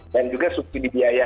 dan juga subsidi biaya